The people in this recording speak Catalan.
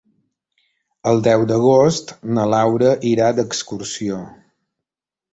El deu d'agost na Laura irà d'excursió.